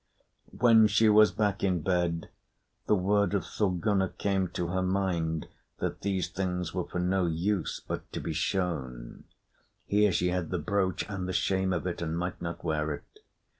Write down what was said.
When she was back in bed, the word of Thorgunna came to her mind, that these things were for no use but to be shown. Here she had the brooch and the shame of it, and might not wear it.